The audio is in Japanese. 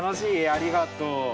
ありがとう。